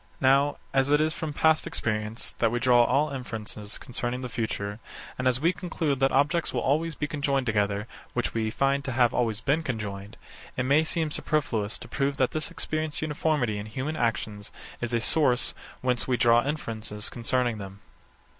Now, as it is from past experience that we draw all inferences concerning the future, and as we conclude that objects will always be conjoined together which we find to have always been conjoined; it may seem superfluous to prove that this experienced uniformity in human actions is a source whence we draw inferences concerning them.